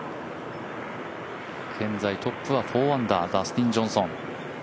現在、トップは４アンダーダスティン・ジョンソン。